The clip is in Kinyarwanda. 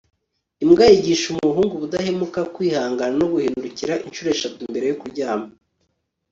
imbwa yigisha umuhungu ubudahemuka, kwihangana, no guhindukira inshuro eshatu mbere yo kuryama